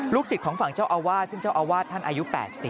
ศิษย์ของฝั่งเจ้าอาวาสซึ่งเจ้าอาวาสท่านอายุ๘๐